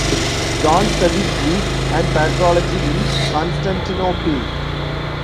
John studied Greek and patrology in Constantinople.